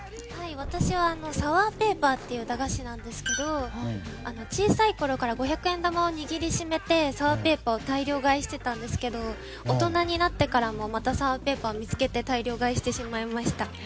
私はサワーペーパーっていう駄菓子なんですけど小さいころから五百円玉を握りしめてサワーペーパーを大量買いしていたんですけど大人になってからまたサワーペーパーを見つけて大量買いしてしまいました。